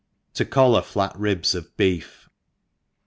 jdj To collar Flat Ribs of Beef.